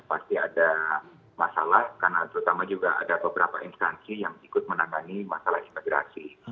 pasti ada masalah karena terutama juga ada beberapa instansi yang ikut menangani masalah imigrasi